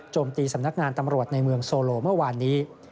ตีสำนักงานตำรวจในเมืองโซโลเมื่อวานนี้